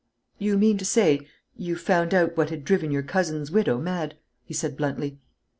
"You mean to say you found out what had driven your cousin's widow mad?" he said bluntly.